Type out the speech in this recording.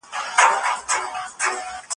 ماخو مخکي دونه صبر نه کوی